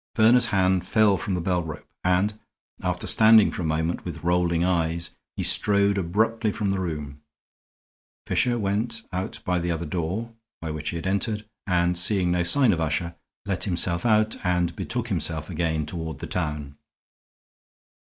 Verner's hand fell from the bell rope and, after standing for a moment with rolling eyes, he strode abruptly from the room. Fisher went but by the other door, by which he had entered, and, seeing no sign of Usher, let himself out and betook himself again toward the town.